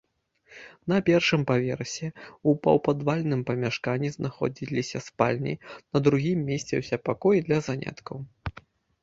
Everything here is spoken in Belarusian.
На першым паверсе ў паўпадвальным памяшканні знаходзіліся спальні, на другім месціўся пакой для заняткаў.